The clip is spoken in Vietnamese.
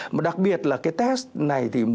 mà đặc biệt là cái test này